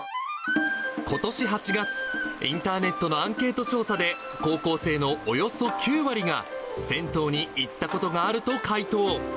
ことし８月、インターネットのアンケート調査で、高校生のおよそ９割が、銭湯に行ったことがあると回答。